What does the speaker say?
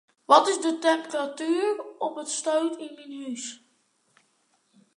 Wat is de temperatuer op it stuit yn myn hûs?